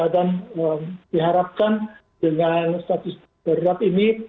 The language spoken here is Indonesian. dan diharapkan dengan status darurat ini